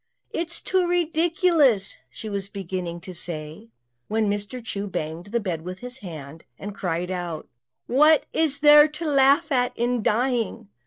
"It's too ridiculous," she was beginning to say, when Mr. Chu banged the bed with his hand, and cried out, "What is there to laugh at in dying?"